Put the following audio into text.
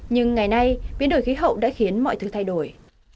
nhưng ngày nay biến đổi khí hậu đã khiến mọi thứ thay đổi